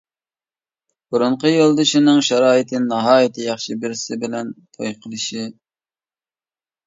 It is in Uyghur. بۇرۇنقى يولدىشىنىڭ شارائىتى ناھايىتى ياخشى بىرسى بىلەن توي قىلىشى.